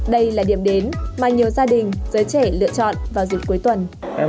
đây là điểm đến mà nhiều gia đình giới trẻ lựa chọn vào dịp cuối tuần